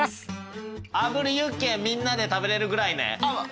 炙りユッケみんなで食べれるぐらいね。